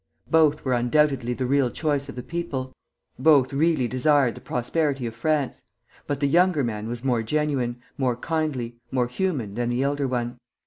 Both were undoubtedly the real choice of the people; both really desired the prosperity of France: but the younger man was more genuine, more kindly, more human than the elder one.